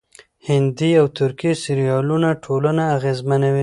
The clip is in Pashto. هندي او ترکي سريالونه ټولنه اغېزمنوي.